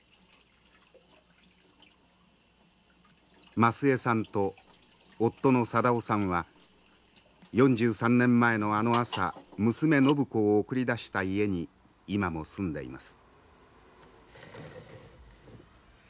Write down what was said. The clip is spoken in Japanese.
増枝さんと夫の定雄さんは４３年前のあの朝娘靖子を送り出した家に今も住んでいます。